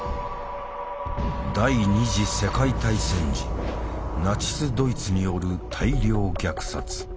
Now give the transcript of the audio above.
第二次世界大戦時ナチス・ドイツによる大量虐殺。